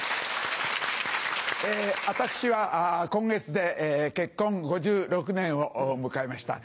私は今月で結婚５６年を迎えました。